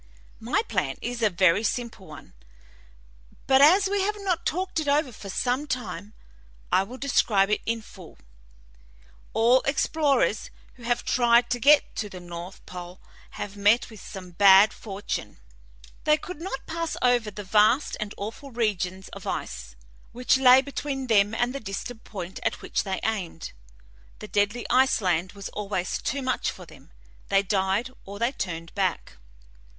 "My plan is a very simple one, but as we have not talked it over for some time, I will describe it in full. All explorers who have tried to get to the north pole have met with the same bad fortune. They could not pass over the vast and awful regions of ice which lay between them and the distant point at which they aimed; the deadly ice land was always too much for them; they died or they turned back.